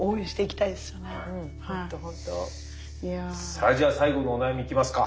さあじゃあ最後のお悩みいきますか？